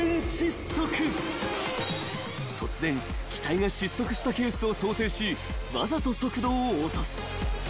［突然機体が失速したケースを想定しわざと速度を落とす］